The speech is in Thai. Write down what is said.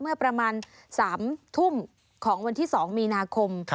เมื่อประมาณ๓ทุ่มของวันที่๒มีนาคม